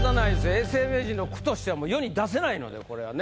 永世名人の句としては世に出せないのでこれはね。